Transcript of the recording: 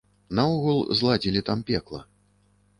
Наогул зладзілі там пекла.